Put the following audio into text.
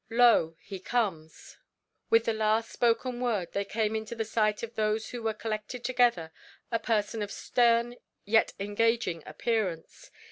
"Lo, he comes!" With the last spoken word there came into the sight of those who were collected together a person of stern yet engaging appearance.